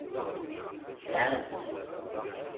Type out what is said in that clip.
Sɛant-tt.